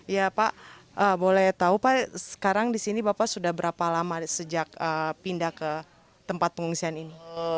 ya pak boleh tahu pak sekarang di sini bapak sudah berapa lama sejak pindah ke tempat pengungsian ini